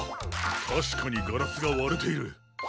たしかにガラスがわれている。